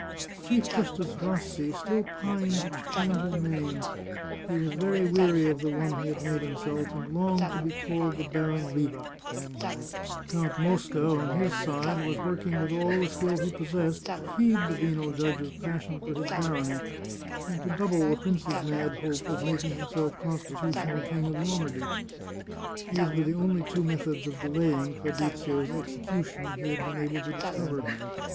Chief Justice Rassi still pined to change his name. He was very weary of the one he had made himself, and longed to be called the Baron Riva. Count Mosca, on his side, was working, with all the skill he possessed, to feed the venal judge's passion for his barony, and to double the prince's mad hope of making himself constitutional King of Lombardy. These were the only two methods of delay ing Fabrizio's execution he had been able to discover.